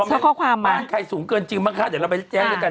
นี่ให้บ้านสูงเกินจริงแล้วไปบ้างก่อน